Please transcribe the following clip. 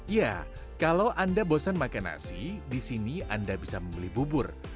ya kalau anda bosan makan nasi di sini anda bisa membeli bubur